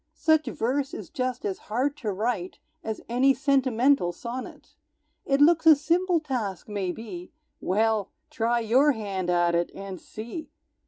Such verse is just as hard to write As any sentimental sonnet. It looks a simple task, maybe, Well try your hand at it, and see!